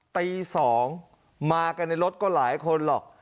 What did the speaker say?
ตี๒มากันในรถก็หลายคนหรอก